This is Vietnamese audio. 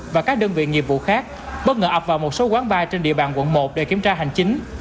và các đơn vị nghiệp vụ khác bất ngờ ập vào một số quán bar trên địa bàn quận một để kiểm tra hành chính